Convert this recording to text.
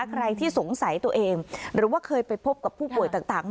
ใครที่สงสัยตัวเองหรือว่าเคยไปพบกับผู้ป่วยต่าง